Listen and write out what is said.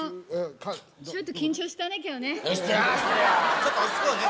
「ちょっと落ち着こうね。